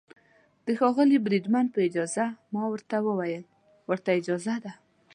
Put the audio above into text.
د ښاغلي بریدمن په اجازه، ما ورته وویل: ورته اجازه ده.